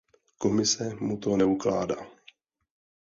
Komise mu to neukládá..